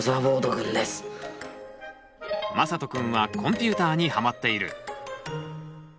まさとくんはコンピューターにはまっている。